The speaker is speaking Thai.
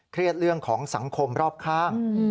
๒เครียดเรื่องของสังคมรอบข้าง